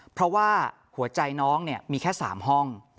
เพราะว่าหัวใจน้องมีแค่๓ห้อง